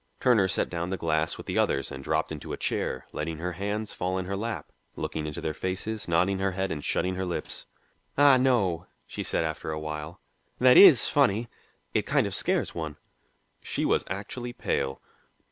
Turner set down the glass with the others and dropped into a chair, letting her hands fall in her lap, looking into their faces, nodding her head and shutting her lips: "Ah, no," she said after a while. "That is funny. It kind of scares one." She was actually pale.